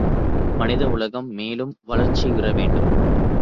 மனித உலகம் மேலும் வளர்ச்சியுற வேண்டும்.